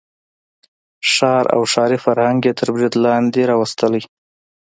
ښار او ښاري فرهنګ یې تر برید لاندې راوستلی.